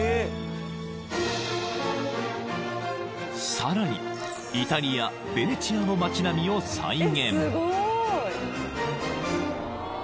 ［さらにイタリアベネチアの町並みを再現］